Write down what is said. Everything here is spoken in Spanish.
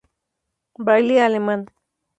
Braille alemán